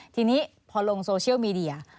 ทีนี้พอลงโซเชียลมีเดีย